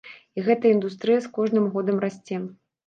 І гэтая індустрыя з кожным годам расце.